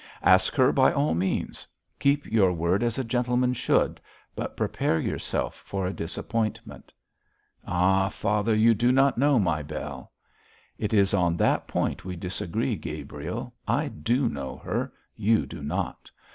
Ask her by all means; keep your word as a gentleman should; but prepare yourself for a disappointment.' 'Ah, father, you do not know my Bell.' 'It is on that point we disagree, Gabriel. I do know her; you do not.